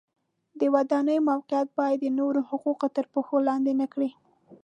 د ودانیو موقعیت باید د نورو حقوق تر پښو لاندې نه کړي.